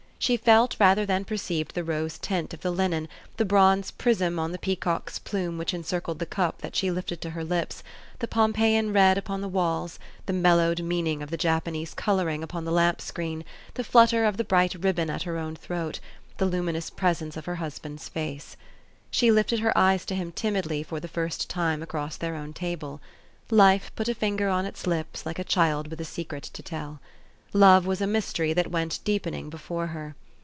She felt rather than perceived the rose tint of the linen, the bronze prism on the pea cock's plume which encircled the cup that she lifted to her lips, the Pompeiian red upon the walls, the mellowed meaning of the Japanese coloring upon the lamp screen, the nutter of the bright ribbon at her own throat, the luminous presence of her hus band's face. She lifted her eyes to him timidly for the first time across their own table. Life put a finger on its lips like a child with a secret to tell. Love was a mystery that went deepening before her.